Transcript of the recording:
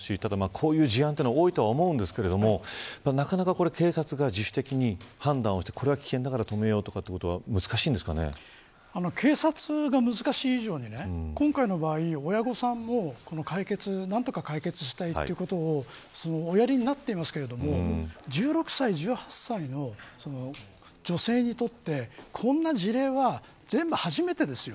こういう事案は多いと思いますがなかなか警察が自主的に判断してこれは危険だから止めよう警察が難しい以上に今回の場合、親御さんも何とか解決したいということをおやりになっていますが１６歳、１８歳の女性にとって、こんな事例は全部初めてですよ。